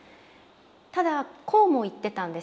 ただこうも言ってたんです。